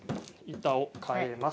板を変えます。